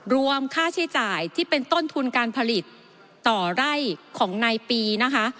รวมค่าใช้จ่ายที่เป็นต้นทุนการผลิตต่อไร่ของนายปีนะคะ